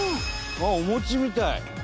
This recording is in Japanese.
あっお餅みたい。